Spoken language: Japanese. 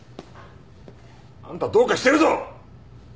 あんたどうかしてるぞ！